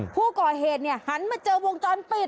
ผู้ก่อเหตุหันมาเจอวงจรปิด